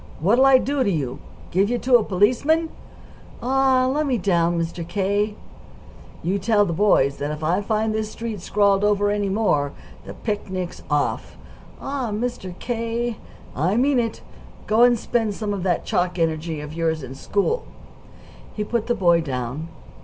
What'll I do to you? Give you to a policeman?" "Aw, lemme down, Mr. K." "You tell the boys that if I find this street scrawled over any more, the picnic's off." "Aw, Mr. K.!" "I mean it. Go and spend some of that chalk energy of yours in school." He put the boy down.